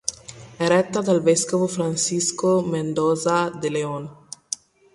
È retta dal vescovo Francisco Mendoza De Leon.